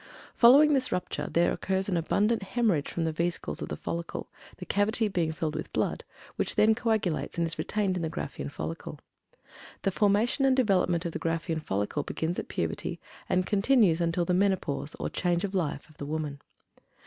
Following this rupture there occurs an abundant hemorrhage from the vesicles of the follicle, the cavity being filled with blood, which then coagulates and is retained in the Graafian follicle. The formation and development of the Graafian follicle begins at puberty and continues until the menopause or "change of life" of the woman.